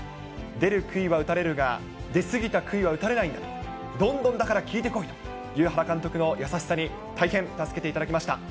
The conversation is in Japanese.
出るくいは打たれるが出過ぎたくいは打たれないんだと、どんどんだから聞いてこいと、原監督の優しさに大変助けていただきました。